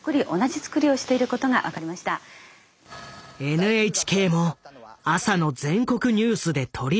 ＮＨＫも朝の全国ニュースで取り上げた。